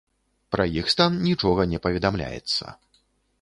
Пра іх стан нічога не паведамляецца.